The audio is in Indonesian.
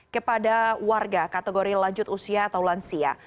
kepada warga kategori lanjut usia atau lansia